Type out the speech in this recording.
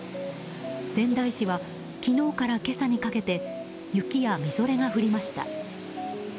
仙台市は昨日から今朝にかけて雪やみぞれが降りました。